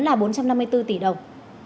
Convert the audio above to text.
là bốn trăm năm mươi bốn tỷ đồng